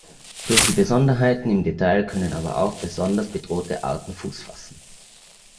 Durch die Besonderheiten im Detail können aber auch besonders bedrohte Arten Fuß fassen.